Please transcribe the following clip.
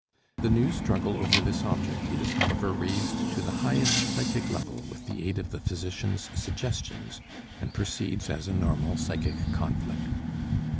The new struggle over this object is, however, raised to the highest psychic level with the aid of the physician's suggestions, and proceeds as a normal psychic conflict.